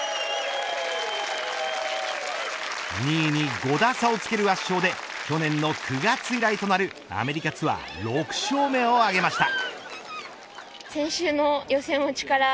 ２位に５打差をつける圧勝で去年の９月以来となるアメリカツアー６勝目を挙げました。